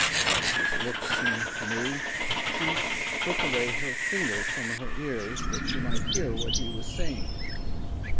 As his lips seemed to move, she took away her fingers from her ears that she might hear what he was saying.